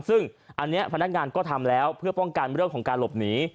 ซึ่งอันนี้พนักงานก็ทำแล้วเพื่อป้องกันเรื่องของการหลบหนี